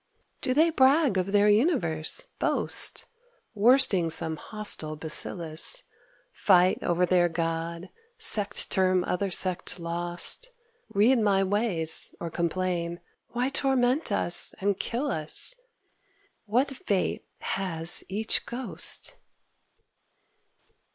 Do they brag of their universe, boast, Worsting some hostile bacillus, Fight over their God, sect term other sect lost, Read my ways or complain, "Why torment us and kill us?" What fate has each ghost?